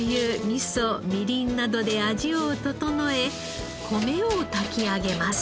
みそみりんなどで味を調え米を炊き上げます。